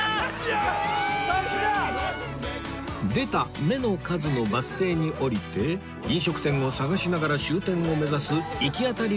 出た目の数のバス停に降りて飲食店を探しながら終点を目指す行き当たり